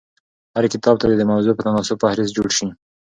هر کتاب ته دي د موضوع په تناسب فهرست جوړ سي.